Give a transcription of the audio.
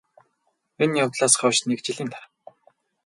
энэ явдлаас хойш НЭГ жилийн дараа